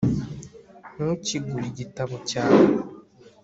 ntukingure igitabo cyawe